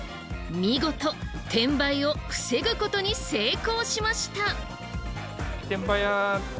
見事転売を防ぐことに成功しました。